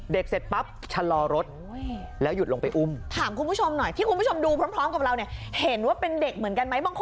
เด็กเสร็จเปล่าฉันลองรถ